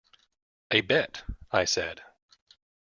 “A bet,” I said.